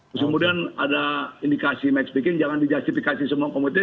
kemudian ada indikasi max picking jangan di justifikasi semua komisi